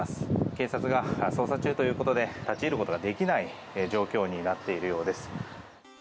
警察が捜査中ということで立ち入ることができない状況になっているようです。